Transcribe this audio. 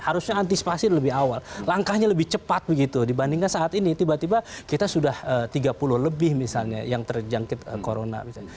harusnya antisipasi lebih awal langkahnya lebih cepat begitu dibandingkan saat ini tiba tiba kita sudah menangkapnya